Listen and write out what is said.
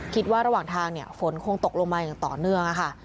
คิดว่าระหว่างทางเนี่ยฝนคงตกลงมาอย่างต่อเนื่องค่ะ